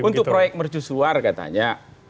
untuk proyek mercu suar katanya